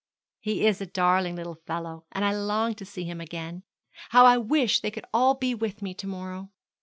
'He is a darling little fellow, and I long to see him again. How I wish they could all be with me to morrow!'